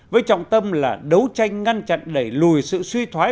với trọng tâm là đấu tranh ngăn chặn đẩy lùi sự suy thoái